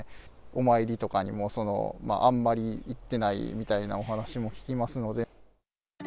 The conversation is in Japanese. お参りとかにも、あんまり行ってないみたいなお話も聞きますので。